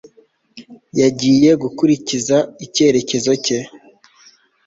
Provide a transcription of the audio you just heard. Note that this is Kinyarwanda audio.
yagiye gukurikiza icyerekezo cye